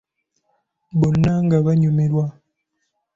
Bonna nga banyumirwa!